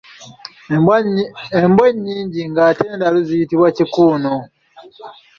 Embwa ennyingi ng’ate ndalu ziyitibwa kikuuno.